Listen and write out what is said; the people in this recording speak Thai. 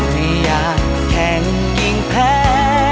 ที่อยากแข่งยิ่งแพ้